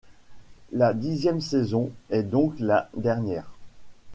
La dixième saison est donc la dernière.